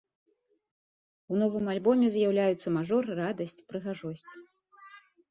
У новым альбоме з'яўляюцца мажор, радасць, прыгажосць.